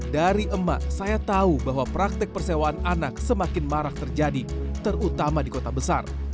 dari emak saya tahu bahwa praktek persewaan anak semakin marak terjadi terutama di kota besar